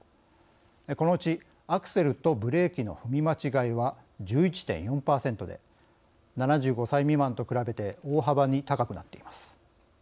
このうちアクセルとブレーキの踏み間違いは１１．４％で７５歳未満と比べて大幅に高くなっています。